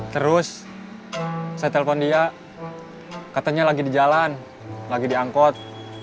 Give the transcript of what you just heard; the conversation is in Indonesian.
terus saya telpon dia katanya lagi di jalan lagi di angkot